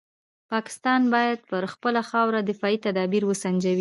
پاکستان باید پر خپله خاوره دفاعي تدابیر وسنجوي.